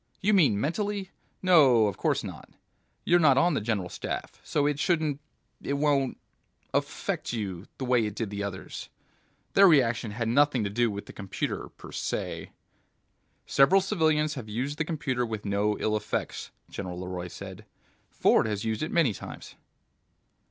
"You mean mentally? No, of course not. You're not on the General Staff, so it shouldn't ... it won't ... affect you the way it did the others. Their reaction had nothing to do with the computer per se ..." "Several civilians have used the computer with no ill effects," General LeRoy said. "Ford has used it many times."